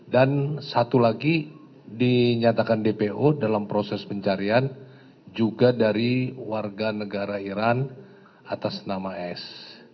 dan satu lagi dinyatakan dpo dalam proses pencarian juga dari warga negara iran atas nama s